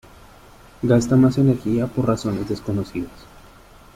Gasta más energía por razones desconocidas.